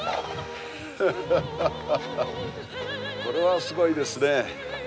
これはすごいですね。